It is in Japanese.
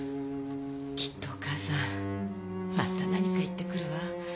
きっとお義母さんまた何か言ってくるわ。